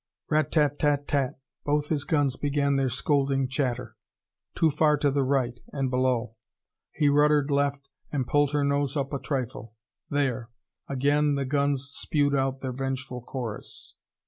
Rat tat tat tat tat! Both his guns began their scolding chatter. Too far to the right and below. He ruddered left and pulled her nose up a trifle. There! Again the guns spewed out their vengeful chorus.